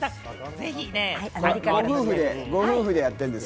ぜひご夫婦でやってるんですか？